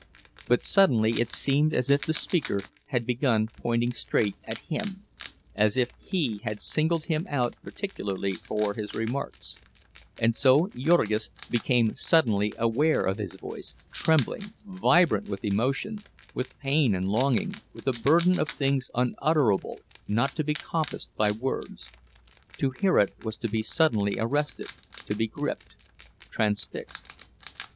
But suddenly it seemed as if the speaker had begun pointing straight at him, as if he had singled him out particularly for his remarks; and so Jurgis became suddenly aware of his voice, trembling, vibrant with emotion, with pain and longing, with a burden of things unutterable, not to be compassed by words. To hear it was to be suddenly arrested, to be gripped, transfixed.